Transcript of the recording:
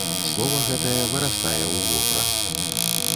Слова гэтае вырастае ў вобраз.